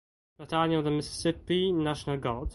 Battalion of the Mississippi National Guard.